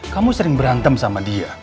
kamu sering berantem sama dia